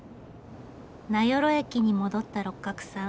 名寄駅に戻った六角さん。